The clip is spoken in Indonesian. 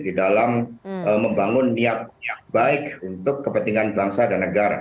di dalam membangun niat yang baik untuk kepentingan bangsa dan negara